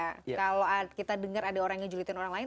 kalau kita dengar ada orang yang ngejulitin orang lain